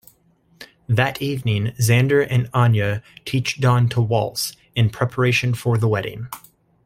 That evening, Xander and Anya teach Dawn to waltz, in preparation for the wedding.